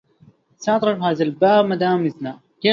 سأترك هذا الباب مادام إذنه